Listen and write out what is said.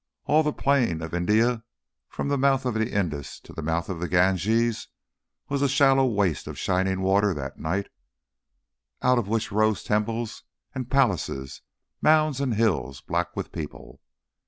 All the plain of India from the mouth of the Indus to the mouths of the Ganges was a shallow waste of shining water that night, out of which rose temples and palaces, mounds and hills, black with people.